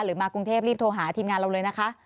มากรุงเทพรีบโทรหาทีมงานเราเลยนะคะ